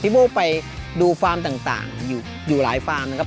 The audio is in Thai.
พี่โบไปดูข้านะต่างอยุ่หลายแผงนะครับ